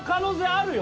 あるよ